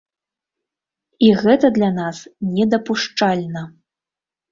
І гэта для нас недапушчальна!